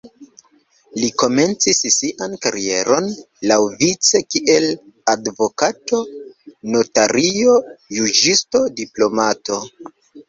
Li komencis sian karieron laŭvice kiel advokato, notario, juĝisto, diplomato.